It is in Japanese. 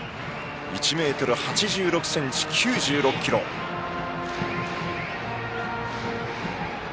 １ｍ８６ｃｍ、９６ｋｇの仲田。